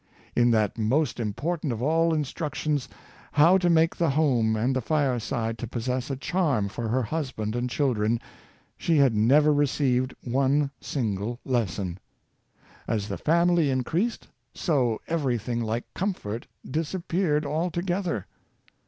In that most important of all human instructions — how to make the home and the fireside to possess a charm for her husband and chil dren— she had never received one single lesson. As the family increased, so everything like comfort disap peared altogether.